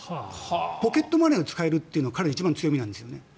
ポケットマネーを使えるというのが彼の一番の強みなんですね。